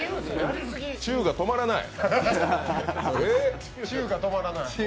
チウが止まらない。